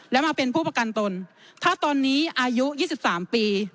และมาเป็นผู้ประกันตนถ้าตอนนี้อายุ๒๓ปี